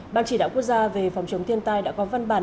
ban chỉ đạo quốc gia về phòng chống thiên tai đã có văn bản